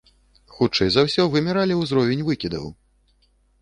Хутчэй за ўсё, вымяралі ўзровень выкідаў.